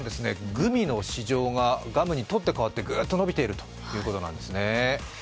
グミの市場がガムに取って代わってグッと伸びてるということなんですね。